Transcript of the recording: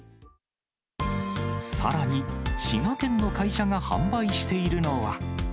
さらに、滋賀県の会社が販売しているのは。